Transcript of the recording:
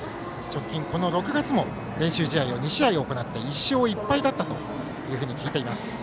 直近、この６月も練習試合を２試合行って１勝１敗だったと聞いています。